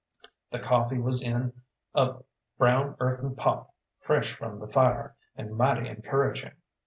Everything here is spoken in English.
The coffee was in a brown earthen pot, fresh from the fire, and mighty encouraging.